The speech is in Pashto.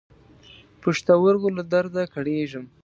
پښتورګو له درد کړېږم.